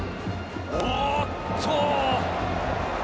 おおっと！